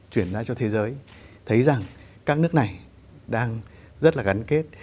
cho thế giới thấy rằng các nước này đang rất là gắn kết